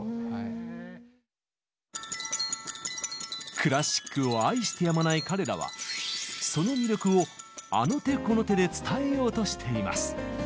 クラシックを愛してやまない彼らはその魅力をあの手この手で伝えようとしています。